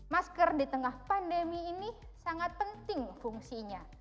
masker di tengah pandemi ini sangat penting fungsinya